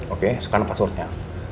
oke sekarang passwordnya